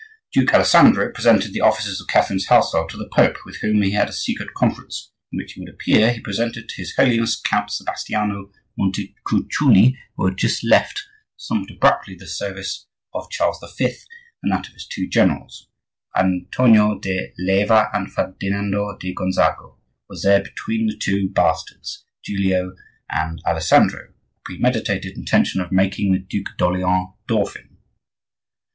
Duke Alessandro presented the officers of Catherine's household to the Pope, with whom he had a secret conference, in which, it would appear, he presented to his Holiness Count Sebastiano Montecuculi, who had just left, somewhat abruptly, the service of Charles V. and that of his two generals, Antonio di Leyva and Ferdinando di Gonzago. Was there between the two bastards, Giulio and Alessandro, a premeditated intention of making the Duc d'Orleans dauphin?